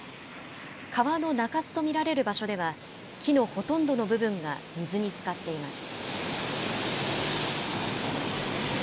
川の中州と見られる場所では、木のほとんどの部分が水につかっています。